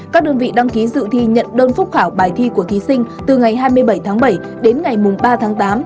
các đơn vị đăng ký dự thi nhận đơn phúc khảo bài thi của thí sinh từ ngày hai mươi bảy tháng bảy đến ngày ba tháng tám